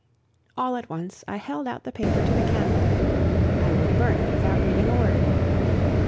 All at once I held out the paper to the candle I would burn it without reading a word.